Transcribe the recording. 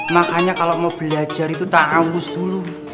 makanya kalau mau belajar itu ta'awus dulu